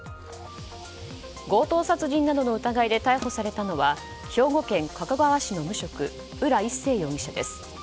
強盗殺人などの疑いで逮捕されたのは兵庫県加古川市の無職浦一生容疑者です。